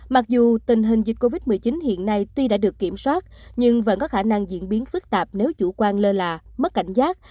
mặc dù tình hình dịch covid một mươi chín hiện nay tuy đã được kiểm soát nhưng vẫn có khả năng diễn biến phức tạp nếu chủ quan lơ là mất cảnh giác